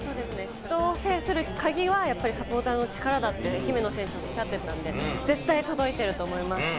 人を制するカギはサポーターの力だって、姫野選手が言っていたので、絶対届いていると思います。